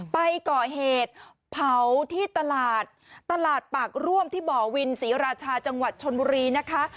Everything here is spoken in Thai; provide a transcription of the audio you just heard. ไปก่อเหตุเผาที่ตลาดตลาดปากร่วมที่บ่อวินศรีราชาจังหวัดชนบุรีนะคะ